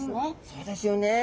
そうですよね。